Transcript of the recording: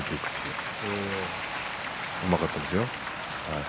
うまかったですよ。